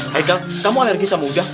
hai kan kamu alergi sama udang